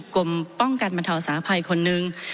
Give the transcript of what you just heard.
กรมป้องกันบรรเทาสาภัยคนนึง